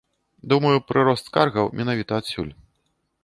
Думаю, прырост скаргаў менавіта адсюль.